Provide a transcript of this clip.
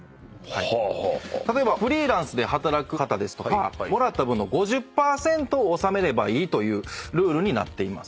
例えばフリーランスで働く方とかもらった分の５０％を納めればいいというルールになっています。